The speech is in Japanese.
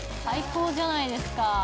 最高じゃないですか。